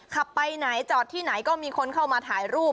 ขับไปไหนจอดที่ไหนก็มีคนเข้ามาถ่ายรูป